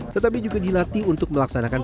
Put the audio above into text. tetapi juga dilatih untuk melaksanakan